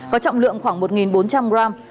có trọng lượng khoảng một bốn trăm linh gram